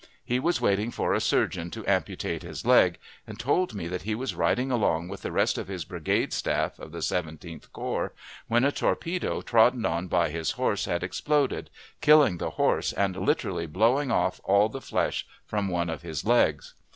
He was waiting for a surgeon to amputate his leg, and told me that he was riding along with the rest of his brigade staff of the Seventeenth Corps, when a torpedo trodden on by his horse had exploded, killing the horse and literally blowing off all the flesh from one of his legs.